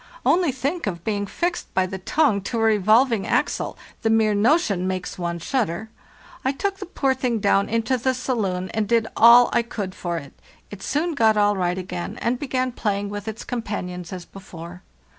Only think of being fixed by the tongue to a revolving axle—the mere notion makes one shudder! I took the poor thing down into the saloon and did all I could for it. It soon got all right again, and began playing with its companions as before.